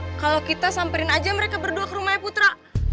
gimana kalo kita samperin aja mereka berdua ke rumah putra